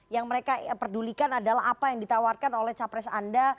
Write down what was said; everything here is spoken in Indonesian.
yang mereka pedulikan adalah apa yang ditawarkan oleh capres anda